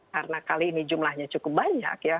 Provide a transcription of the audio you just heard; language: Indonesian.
karena kali ini jumlahnya cukup banyak ya